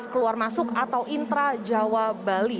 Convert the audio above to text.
keluar masuk atau intra jawa bali